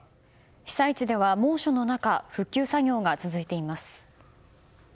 被災地では猛暑の中復旧作業が続いています。